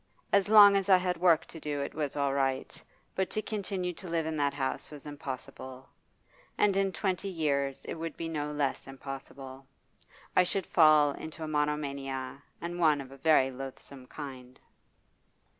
As long as I had work to do it was all right; but to continue to live in that house was impossible. And in twenty years it would be no less impossible. I should fall into a monomania, and one of a very loathsome kind.